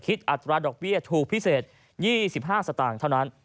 อัตราดอกเบี้ยถูกพิเศษ๒๕สตางค์เท่านั้น